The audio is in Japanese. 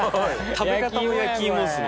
食べ方も焼き芋っすね。